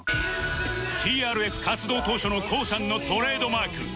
ＴＲＦ 活動当初の ＫＯＯ さんのトレードマーク